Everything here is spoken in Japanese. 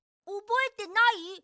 おぼえてない？